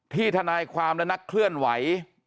ทนายความและนักเคลื่อนไหว